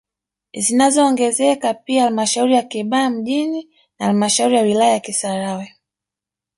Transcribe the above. Zinaongezeka pia halmashauri ya Kibaha mjini na halmashauri ya wilaya ya Kisarawe